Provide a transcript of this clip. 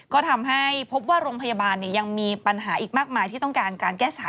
ก็ทำให้พบว่าโรงพยาบาลยังมีปัญหาอีกมากมายที่ต้องการการแก้ไข